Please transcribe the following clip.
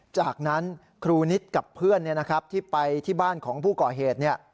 จากนั้นครูนิตกับเพื่อนที่ไปที่บ้านของผู้ก่อเหตุ